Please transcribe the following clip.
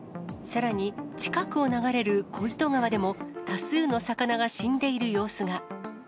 さらに、近くを流れる小糸川でも、多数の魚が死んでいる様子が。